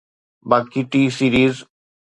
باقي T series